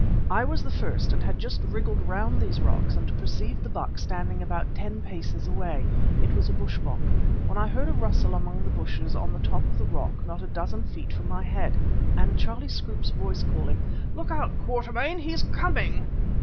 I was the first, and had just wriggled round these rocks and perceived the buck standing about ten paces away (it was a bush bok), when I heard a rustle among the bushes on the top of the rock not a dozen feet above my head, and Charlie Scroope's voice calling: "Look out, Quatermain! He's coming."